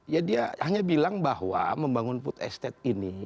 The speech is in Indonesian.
ya dia hanya bilang bahwa membangun food estate ini